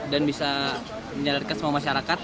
dan bisa menyelidikkan semua masyarakat